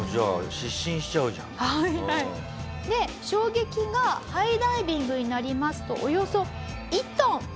衝撃がハイダイビングになりますとおよそ１トン。